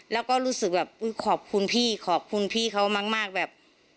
แล้วก็รู้สึกแบบอุ๊ยขอบคุณพี่ขอบคุณพี่เขามากแบบ